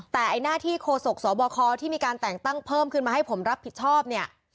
แต่ไอ้หน้าที่โคศกสบคที่มีการแต่งตั้งเพิ่มขึ้นมาให้ผมรับผิดชอบเนี่ย